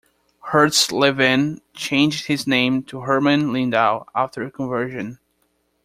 Hertz Levin changed his name to Hermann Lindau after conversion.